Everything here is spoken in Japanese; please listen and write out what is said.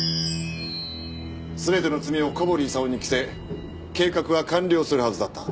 全ての罪を小堀功に着せ計画は完了するはずだった。